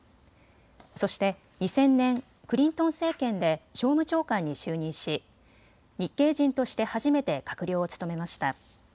そして２０００年、クリントン政権で商務長官に就任し日系人として初めて閣僚を務めました。